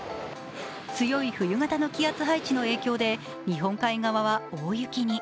強い冬型の気圧配置の影響で日本海側は大雪に。